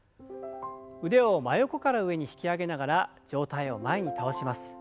腕を真横から上に引き上げながら上体を前に倒します。